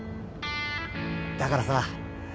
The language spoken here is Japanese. だからさ